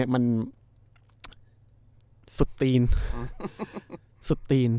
มันสุดตีน